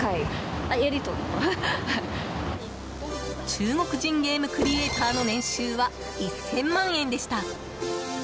中国人ゲームクリエイターの年収は、１０００万円でした。